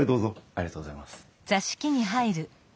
ありがとうございます。